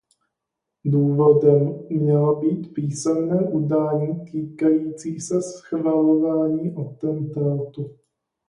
Důvodem mělo být písemné udání týkající se schvalování atentátu.